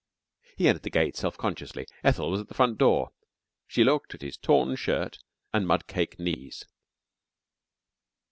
He entered the gate self consciously. Ethel was at the front door. She looked at his torn shirt and mud caked knees.